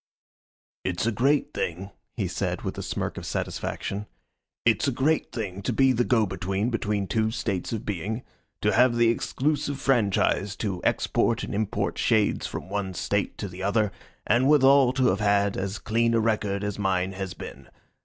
"It's a great thing," he said, with a smirk of satisfaction "it's a great thing to be the go between between two states of being; to have the exclusive franchise to export and import shades from one state to the other, and withal to have had as clean a record as mine has been.